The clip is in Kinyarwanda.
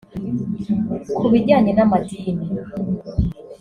Ku bijyanye n’amadini